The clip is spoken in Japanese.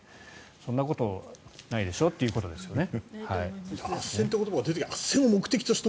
そんなことないでしょっていうことですよね。